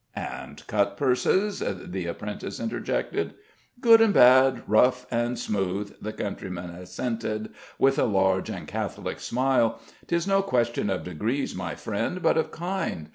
"And cutpurses?" the apprentice interjected. "Good and bad, rough and smooth," the countryman assented, with a large and catholic smile. "'Tis no question of degrees, my friend, but of kind.